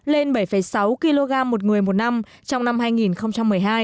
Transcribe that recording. lên bảy sáu kg một người một năm trong năm hai nghìn một mươi hai